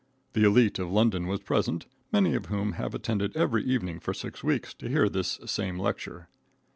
The elite of London was present, many of whom have attended every evening for six weeks to hear this same lecture.